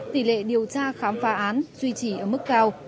tỷ lệ điều tra khám phá án duy trì ở mức cao